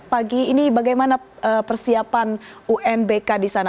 pagi ini bagaimana persiapan unbk di sana